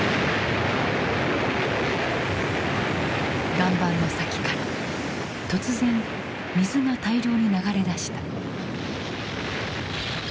岩盤の先から突然水が大量に流れだした。